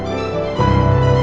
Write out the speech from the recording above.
lo udah ngerti kan